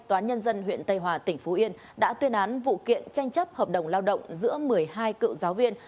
tòa nhân dân huyện tây hòa tỉnh phú yên đã tuyên án vụ kiện tranh chấp hợp đồng lao động giữa một mươi hai cựu giáo viên